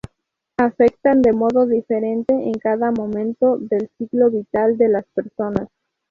Afectan de modo diferente en cada momento del ciclo vital de las personas.